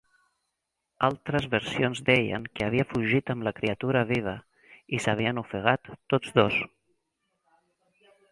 Altres versions deien que havia fugit amb la criatura viva i s'havien ofegat tots dos.